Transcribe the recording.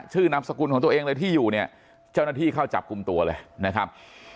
นามสกุลของตัวเองเลยที่อยู่เนี่ยเจ้าหน้าที่เข้าจับกลุ่มตัวเลยนะครับ